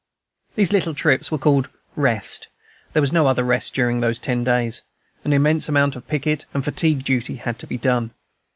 These little trips were called "rest"; there was no other rest during those ten days. An immense amount of picket and fatigue duty had to be done.